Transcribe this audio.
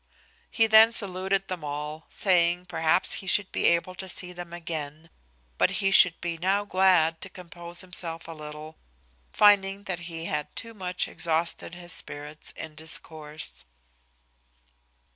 He then saluted them all, saying, perhaps he should be able to see them again, but he should be now glad to compose himself a little, finding that he had too much exhausted his spirits in discourse.